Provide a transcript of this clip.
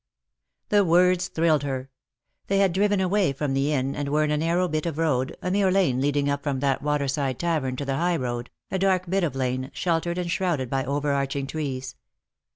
The words thrilled her. They had driven away from the inn, and were in a narrow bit of road, a mere lane leading up from that waterside tavern to the high road, a dark bit of lane, shel tered and shrouded by over arching trees.